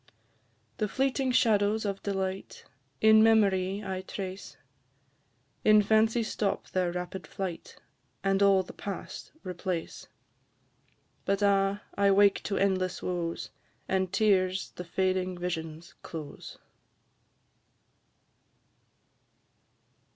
The fleeting shadows of delight, In memory I trace; In fancy stop their rapid flight, And all the past replace; But, ah! I wake to endless woes, And tears the fading visions close!